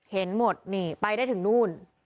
เห็นหมดนี่ไปได้ถึงนู่น